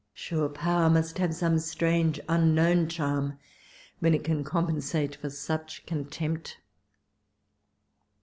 Sure power must have some strange unknown charm, when it can compensate for such contempt